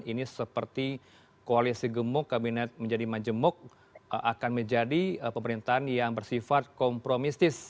ini seperti koalisi gemuk kabinet menjadi majemuk akan menjadi pemerintahan yang bersifat kompromistis